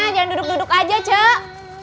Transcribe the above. jangan duduk duduk aja cak